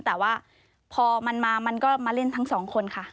แต่ว่าพอมันมามันก็มาเล่นทั้งสองคนค่ะ